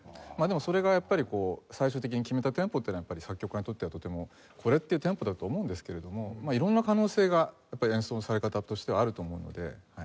それが最終的に決めたテンポっていうのは作曲家にとってはこれっていうテンポだと思うんですけれども色んな可能性が演奏のされ方としてはあると思うので。